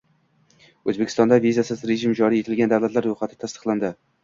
O'zbekistonda vizasiz rejim joriy etilgan davlatlar ro'yxati tasdiqlandi.